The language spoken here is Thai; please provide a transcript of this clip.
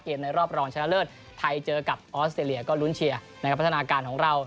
ในรอบรองชนะเลิศไทยเจอกับออสเตรเลียก็ลุ้นเชียร์นะครับพัฒนาการของเรา